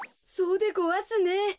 そうでごわすね。